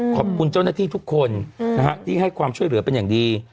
ขอบคุณเจ้าหน้าที่ทุกคนที่ให้ความช่วยเหลือเป็นอย่างดี